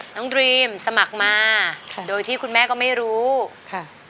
ดรีมสมัครมาค่ะโดยที่คุณแม่ก็ไม่รู้ค่ะ